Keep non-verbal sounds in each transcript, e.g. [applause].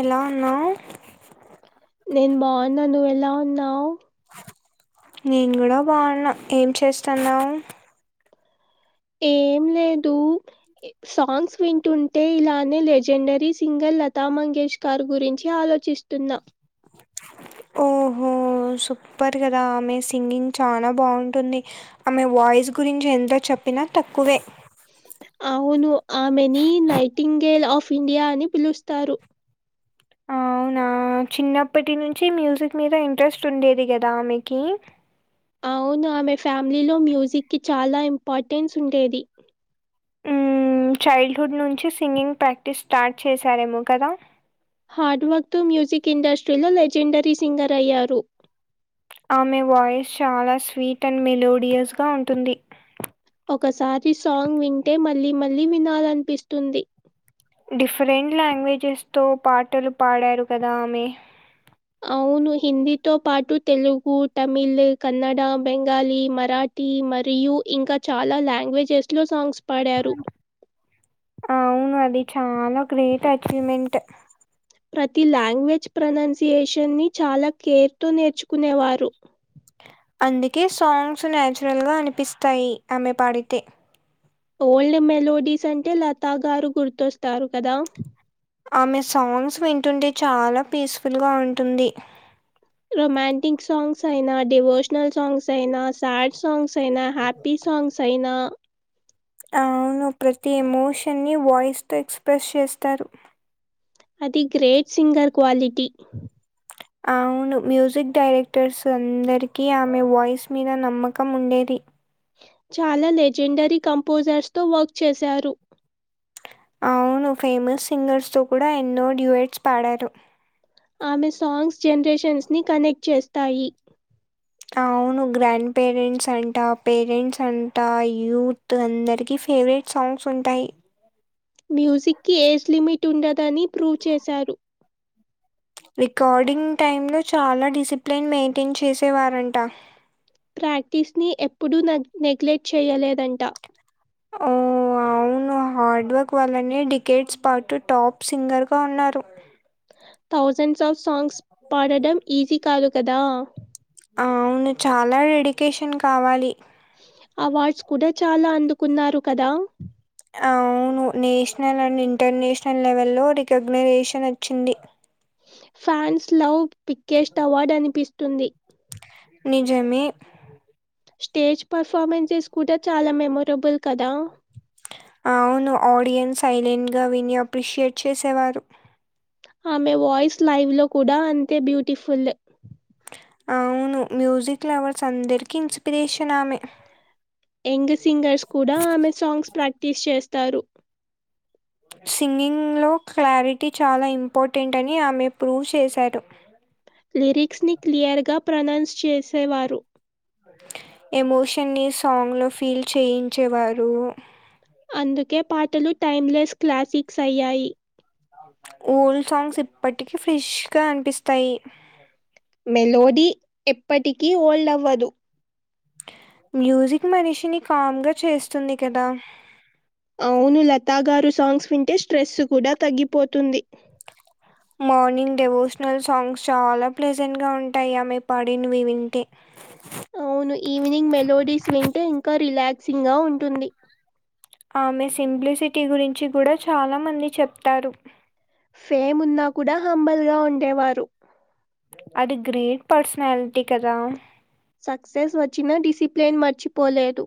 ఎలా ఉన్నావ్ నేను బావున్నా నువ్వేల ఉన్నావ్ నేను కుడా బావున్నా ఏం చేస్తన్నావ్ ఏ ఏం లేదు సాంగ్స్ వింటుంటే ఇలానే లెజెండరీ సింగర్ లతమంగి ఇష్ కార్ గురించి ఆలోచిస్తున్నా ఓహో సూపర్ కదా ఆమె సింగింగ్ చానా బావుంటుంది ఆమె వాయిస్ గురించి ఎంత చెప్పిన తక్కువే అవును ఆమెనీ నైటింగేల్ ఆఫ్ ఇండియా అని పిలుస్తారు. అవునా చిన్నప్పటి నుంచి మ్యూజిక్ మీద ఇంట్రెస్ట్ ఉండేది కదా ఆమెకి అవును ఆమె ఫ్యామిలీలో మ్యూజిక్కిి చాలా ఇంపార్టెన్స్ ఉండేది. హ్మ్ చైల్డ్ హుడ్ నుంచి సింగింగ్ ప్రాక్టీస్ స్టార్ట్ చేసారేమో కదా హార్డ్ వర్క్ తో మ్యూజిక్ ఇండస్ట్రీలో లెజెండరీ సింగర్ అయ్యారు. ఆమె వాయిస్ చాలా స్వీట్ [inaudible] మెలోడియస్ గా ఉంటుంది. ఒకసారి సాంగ్ వింటే మళ్ళీ మళ్ళీ వినాలనిపిస్తుంది. డిఫరెంట్ లాంగ్వేజెస్ తో పాటలు పాడారు కదా ఆమె అవును హిందీతో పాటు తెలుగు, తమిళ, కన్నడ, బెంగాలీ, మరాఠీ మరియు ఇంకా చాలా లాంగ్వేజెస్ లో సాంగ్స్ పాడారు. అవును అది చాలా గ్రేట్ అచీవ్మెంట్ ప్రతి లాంగ్వేజ్ ప్రనౌన్సియేషన్ని ని చాలా కేర్ తో నేర్చుకునేవారు. అందుకే సాంగ్స్ నాచురల్ గా అనిపిస్తాయి. ఆమె పాడితే ఓల్డ్ మెలోడీస్ అంటే లతగారు గుర్తొస్తారు కదా ఆమె సాంగ్స్ వింటుంటే చాలా పీస్ఫుల్ గా ఉంటుంది. రొమాంటిక్ సాంగ్స్ అయిన డివోషనల్ సాంగ్స్ అయిన సాడ్ సాంగ్స్ అయిన హ్యాపీ సాంగ్స్ అయిన అవును ప్రతి ఎమోషన్ని ని వాయిస్ తో ఎక్స్ప్రెస్ చేస్తారు. అది గ్రేట్ సింగర్ క్వాలిటీ అవును మ్యూజిక్ డైరెక్టర్స్ అందరికి ఆమె వాయిస్ మీద నమ్మకం ఉండేది. చాలా లెజెండరీ కంపోజర్స్ తో వర్క్ చేశారు. అవును ఫేమస్ సింగర్స్ తో కూడా ఎన్నో డ్యూయేట్స్ పాడారు. ఆమె సాంగ్స్ జనరేషన్స్ ని కనెక్ట్ చేస్తాయి. అవును గ్రాండ్ పేరెంట్స్ అంట పేరెంట్స్ అంట యూత్ అందరికి హేవెట్ సాంగ్స్ ఉంటాయి. మ్యూజిక్కి ఏజ్ లిమిట్ ఉండదని ప్రూ చేశారు. రికార్డింగ్ టైమ్ ను చాలా డిసిప్లేన్ మెయింటెన్ చేసేవారంట ప్రాక్టీస్ ని ఎప్పుడూ నగ్ నెగ్లెక్ట్ చేయలేదంట ఓ అ వును హార్డ్ వర్క్ వల్లనే డికెట్స్ పాటు టాప్ సింగర్ గా ఉన్నారు థౌసెండ్స్ ఆఫ్ సాంగ్స్ పాడడం ఈజీ కాదు కదా అవును చాలా డెడికేషన్ కావాలి అవార్డ్స్ కూడా చాలా అందుకున్నారు కదా అవును నేషనల్ అండ్ ఇంటర్నేషనల్ లెవల్లో రికాగ్నేషన్ వచ్చింది ఫ్యాన్స్ లవ్ బిగ్గెస్ట్ అవార్డు అనిపిస్తుంది నిజమే స్టేజ్ పెర్ఫార్మెన్స్ కూడా చాలా మెమొరబుల్ కదా అవును ఆడియన్స్ సైలెంగా విని అప్రిషేట్ చేసేవారు ఆమె వాయిస్ లైవ్ లో కూడా అంతే బ్యూటిఫుల్ అవును మ్యూజిక్ లవర్స్ అందరికి ఇన్స్పిరేషన్ ఆమె యంగ్ సింగర్స్ కూడా ఆమె సాంగ్స్ ప్రాక్టిక్స్ చేస్తారు సింగింగ్ లో క్లారిటీ చాలా ఇంపార్టెంట్ అని ఆమె ప్రూఫ్ చేశాడు లిరిక్స్ ని క్లియర్ గా ప్రొనౌన్స్ చేసేవారు ఎమోషన్ ని సాంగ్ లో ఫీల్ చేయించేవారు అందుకే పాటలు టైమ్లెస్ క్లాసిక్స్ అయ్యాయి ఓల్డ్ సాంగ్స్ ఇప్పటికీ ఫ్రెష్గా అనిపిస్తాయి ఎల్లోది ఎప్పటికి ఓల్డ్ అవ్వదు మ్యూజిక్ మనిషిని కామ్ గా చేస్తుంది కదా అవును లతా గారు సాంగ్స్ వింటే స్ట్రెస్ కూడా తగ్గిపోతుంది మార్నింగ్ డెవోషనల్ సాంగ్స్ చాలా ప్లెజెంగా ఉంటాయి ఆమె పడిన్వి వింటే అవును ఈవినింగ్ మెలోడీస్ వింటే ఇంకా రిలాక్సింగ్ గా ఉంటుంది ఆమె సింప్లిసిటీ గురించి కూడా చాలా మంది చెప్తారు ఫేమ్ ఉన్నా కూడా హంబల్గా ఉండేవారు అది గ్రేట్ పర్సనాల్టీ కదా సక్సెస్ వచ్చినా డిసిప్లైన్ మర్చిపోలేరు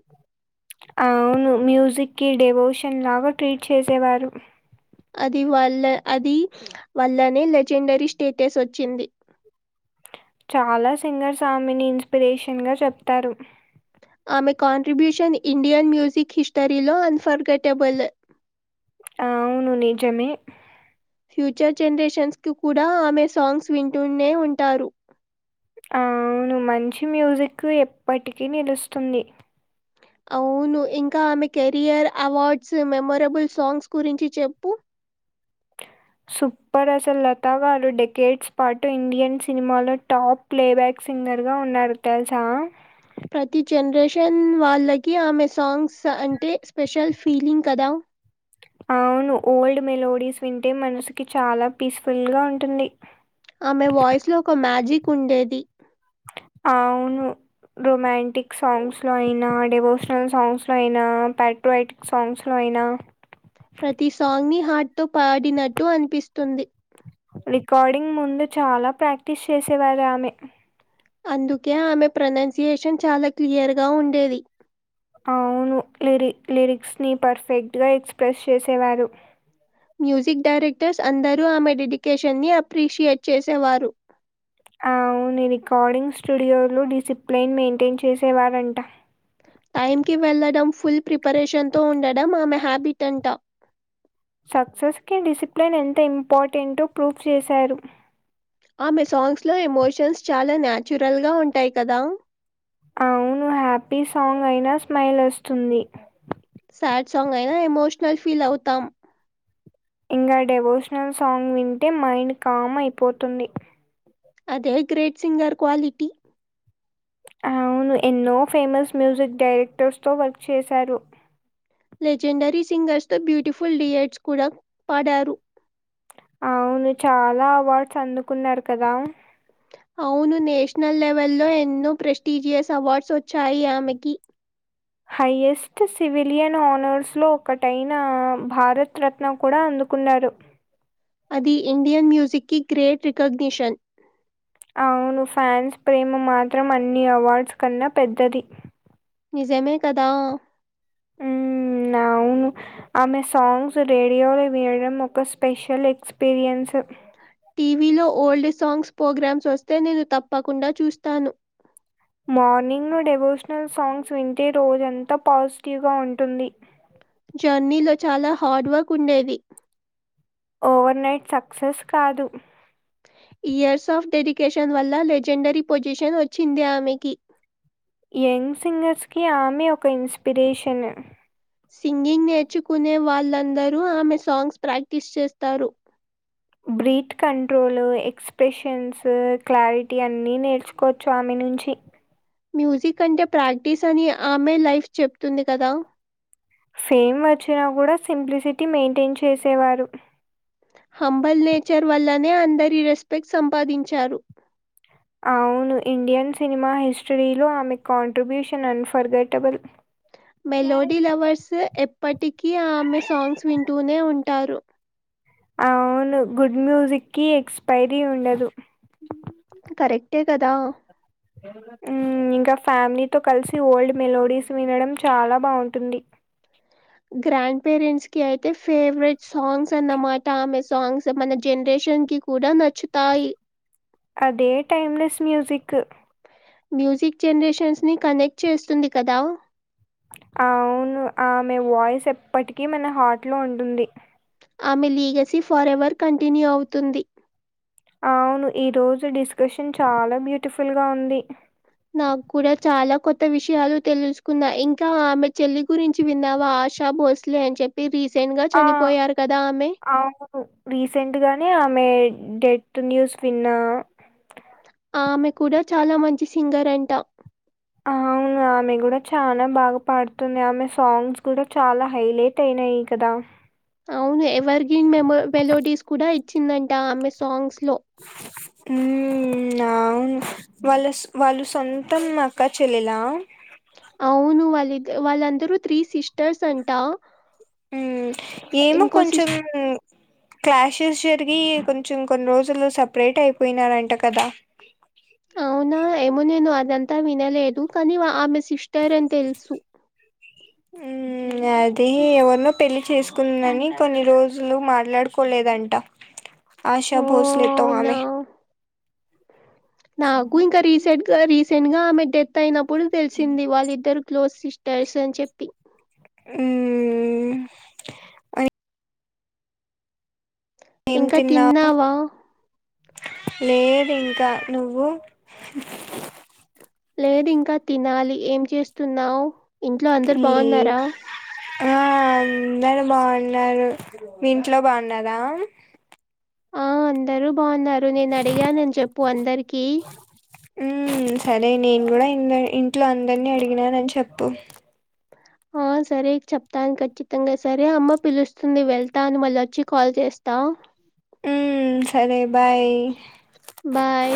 అవును మ్యూజికి డెవోషన్ లాగా ట్రీట్ చేసేవారు అది వల్ల అది వల్లనే లెజెండరీ స్టేటస్ వచ్చింది చాలా సింగర్స్ ఆమెని ఇన్స్పిరేషన్ గా చెప్తారు అమె కంట్రబ్యూషన్ ఇండియన్ మ్యూజిక్ హిస్టరీలో ఫోర్గాటబుల్ అ అవును నిజమే ఫ్యూచర్ జనరేషన్స్కి కూడా ఆమె సాంగ్స్ వింటూనే ఉంటారు అ అవును మంచి మ్యూజిక్ ఎప్పటికీ నిలుస్తుంది అవును ఇంకా ఆమె కెరియర్ అవార్డ్స్ మెమరబుల్ సాంగ్స్ గురించి చెప్పు [inaudible] సూపర్ అసలు లతా గారు డెకేట్స్ పాటు ఇండియన్ సినిమాలో టాప్ ప్లేబ్యాక్ సింగర్ గా ఉన్నారు తెలుస్ ప్రతి జన్రేషన్ వాళ్ళకి ఆమె సాంగ్స్ అంటే స్పెషల్ ఫీలింగ్ కదా అవును ఓల్డ్ మెలోడీస్ వింటే మనసుకి చాలా పీస్ఫుల్గా ఉంటుంది ఆమె వాయిస్ లో ఒక మ్యాజిక్ ఉండేది అవును రొమాంటిక్ సాంగ్స్ లో అయినా డవోషనల్ సాంగ్స్ లో అయినా పట్రోయాటిక్ సాంగ్స్ లో అయి నా హాట్ తో పాడినట్టు అనిపిస్తుంది డింగ్ ముందె చాలా ప్రాక్టీస్ చేసేవారు ఆమె అందుకే ఆమె ప్రనౌన్సియేషన్ చాలా క్లియర్గా ఉండేది. అవును లిరి లిరిక్స్ ని పర్ఫెక్ట్ గా ఎక్స్ప్రెస్ చేసేవారు. మ్యూజిక్ డైరెక్టర్స్ అందరూ ఆమె డెడికేషన్ని అప్రిషియేట్ చేసేవారు. అవుని రికార్డింగ్ స్టూడియోలు డిసిప్లిన్ మెయింటైన్ చేసేవారంట. టైమ్ కి వెళ్ళడం ఫుల్ ప్రిపరేషన్ తో ఉండడం ఆమె హ్యాబిట్ అంట. సక్సెస్ కి డిసిప్లిన్ ఎంత ఇంపార్టెంట్ ప్రూఫ్ చేశారు. ఆమె సాంగ్స్ లో ఎమోషన్స్ చాలా న్యాచురల్ గా ఉంటాయి కదా అవును హ్యాపీ సాంగ్ అయినా స్మైల్ వస్తుంది. సాడ్ సాంగ్ అయినా ఎమోషనల్ ఫీల్ అవుతాం. ఇంకా డెవోషనల్ సాంగ్ వింటే మైండ్ కామ్ అయిపోతుంది. అదే గ్రేట్ సింగర్ క్వాలిటీ అవును ఎన్నో ఫేమస్ మ్యూజిక్ డైరెక్టర్స్ తో వర్క్ చేశారు. లెజెండరీ సింగర్స్ తో బ్యూటిఫుల్ డియట్స్ కూడా పాడారు. అవును చాలా అవార్డ్స్ అందుకున్నారు కదా. అవును నేషనల్ లెవెల్లో ఎన్నో ప్రెస్టీజియస్ అవార్డ్స్ వచ్చాయి ఆమెకి. హైయెస్ట్ సివిలియన్ ఆనర్స్ లో ఒకటైన భారతరత్న కూడా అ అనుకున్నారు అది ఇండియన్ మ్యూజిక్ కి గ్రేట్ రికగ్నిషన్. అవును ఫ్యాన్స్ ప్రేమ మాత్రం అన్ని అవార్డ్స్ కన్నా పెద్దది. నిజమే కదా హ్మ్. అవును ఆమె సాంగ్స్ రేడియోలో వినడం ఒక స్పెషల్ ఎక్స్పీరియన్స్. టీవీలో ఓల్డ్ సాంగ్స్ ప్రోగ్రామ్స్ వస్తే నేను తప్పకుండా చూస్తాను. మార్నింగ్ ను డెవోషనల్ సాంగ్స్ వింటే రోజంతా పాజిటివ్గా ఉంటుంది. జర్నీలో చాలా హార్డ్ వర్క్ ఉండేది ఓవర్నైట్ సక్సెస్ కాదు ఇయర్స్ ఆఫ్ డెడికేషన్ వల్ల లెజెండరీ పొజిషన్ వచ్చింది ఆమెకి. యంగ్ సింగర్స్ కి ఆమె ఒక ఇన్స్పిరేషన్ సింగింగ్ నేర్చుకునే వాళ్ళందరూ ఆమె సాంగ్స్ ప్రాక్టీస్ చేస్తారు. బ్రీత్ కంట్రోల్ ఎక్స్ప్రెషన్స్ క్లారిటీ అన్నినేర్చుకోవచ్చు ఆమె నుంచి మ్యూజిక్ అంటే ప్రాక్టీస్ అని ఆమె లైఫ్ చెప్తుంది కదా. ఫేమ్ వచ్చినా కూడా సింప్లిసిటీ మెయింటైన్ చేసేవారు. హంబల్ నేచర్ వల్లనే అందరి రెస్పెక్ట్ సంపాదించారు. అవును ఇండియన్ సినిమా హిస్టరీలో ఆమె కాంట్రిబ్యూషన్ అన్ఫర్గటబుల్. మెలోడీ లవర్స్ ఎప్పటికి ఆమె సాంగ్స్ వింటూనే ఉం టారు అవును గుడ్ మ్యూజిక్ కి ఎక్స్పైరీ ఉండదు. కరెక్టే కదా మ్ ఇంకా ఫ్యామిలీతో కలిసి ఓల్డ్ మెలోడీస్ వినడం చాలా బాగుంటుంది. గ్రాండ్ పేరెంట్స్ కి అయితే ఫేవరెట్ సాంగ్స్ అన్నామాట ఆమె సాంగ్స్ మన జనరేష చొంకి కూడా నచ్చుతాయి అదే టైమ్లెస్ మ్యూసిక్ మ్యూజిక్ జనరేషన్స్ ని కనెక్ట్ చేస్తుంది కదా అవును ఆమె వాయిస్ ఎప్పటికీ మన హార్ట్ లో ఉంటుంది. ఆమె లీగసీ ఫర్ ఎవర్ కంటిన్యూ అవుతుంది అవును ఈరోజు డిస్కషన్ చాలా బ్యూటిఫుల్ గా ఉంది నాకు కూడా చాలా కొత్త విషయాలు తెలుసుకున్నా ఇంకా ఆమె చెల్లి గురించి విన్నావా ఆశా బోస్లే అని చెపి రిస్ ఆ అవును రీసెంట్గానే ఆమె డెడ్ న్యూస్ విన్న ఆమె కూడా చాలా మంచి సింగర్ అంట అవును ఆమె కూడా చనా బాగా పాడుతుంది ఆమె సాంగ్స్ కూడా చాలా హైలైట్ అయి నయి కదా అవును ఎవర్ గ్రీన్ మె మెలోడీస్ కూడా ఇచ్చిందంట ఆ ఆమె సాంగ్స్ లో ఉమ్ అవును వాళ్ళ వాళ్ళు సొంతం అక్క చెల్లెలా అవును. వాళ్ళిద్ వాళ్ళందరూ త్రీ సిస్టర్స్ అంట ఏమో ఇంకో సిస్ కొంచెం క్లాషెస్ జరిగి కొంచెం కొన్ని రోజులు సపరేట్ అయిపోయినారంట కదా అవునా ఏమో నేను ఇదంతా వినలేదు కానీ ఆమె సిస్టర్ అని తెలుసు అది ఎవరినో పెళ్లి చేసుకుందని కొన్ని రోజులు మాట్లాడుకోలేదంట ఆశా ఓ బోస్లే తో అవునా ఆమె నాకు ఇంకా రీసెంట్ గా రీ సెడ్ సెన్గా ఆమె డెత్ అయినప్పుడు తెలిసింది వాళ్ళిద్దరు క్లోజ్ సిస్టర్స్ అని చెప్పి ఉమ్ ఆ ఏం ఇంకా తిన్నావు తిన్నావా లేదు ఇంకా నువ్వు లేదు ఇంకా తినాలి ఏం చేస్తున్నావు ఇంట్లో అందరు ఈ బాగున్నారా ఆ అందరు బాగున్నారు మీ ఇంట్లో బాగున్నరా ఆ అందరు బాగున్నారు నేను అడిగానని చెప్పు అందరికి ఉమ్ సరే నేను కూడా ఇ ఇంట్లో అందరినీ అడిగినానని చెప్పు ఆ సరే చెప్తాను ఖచ్చితంగా సరే అమ్మ పిలుస్తుంది వెళ్తా అని మళ్ళీ వచ్చి కాల్ చేస్తా ఉ సరే బాయ్ బాయ్